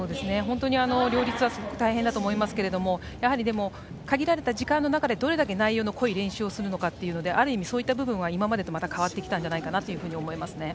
両立は大変だと思いますがでも、限られた時間の中でどれだけ内容の濃い練習をするのかというのである意味、そういった部分では今までと変わってきたんじゃないかと思います。